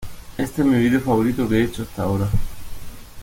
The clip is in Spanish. Este es mi video favorito que he hecho hasta ahora.